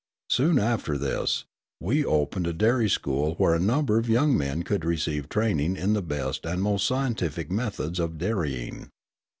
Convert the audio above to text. Soon after this, we opened a dairy school where a number of young men could receive training in the best and most scientific methods of dairying.